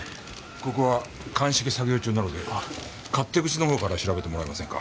ここは鑑識作業中なので勝手口の方から調べてもらえませんか？